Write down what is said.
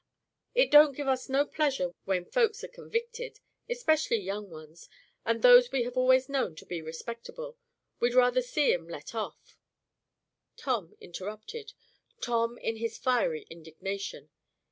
It don't give us no pleasure when folks are convicted, especially young ones, and those we have always known to be respectable; we'd rather see 'em let off." Tom interrupted Tom, in his fiery indignation.